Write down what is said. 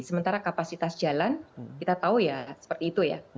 sementara kapasitas jalan kita tahu ya seperti itu ya